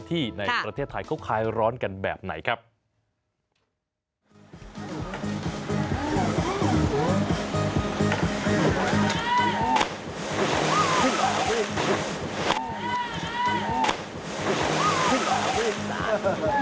นอกจากนี้ยังมีอารมณ์บุดหงิดง่ายอีกด้วย